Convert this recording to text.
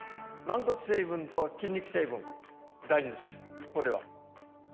軟骨成分と筋肉成分大事です